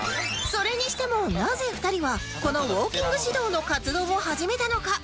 それにしてもなぜ２人はこのウオーキング指導の活動を始めたのか？